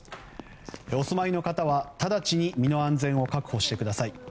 お住まいの方は直ちに身の安全を確保してください。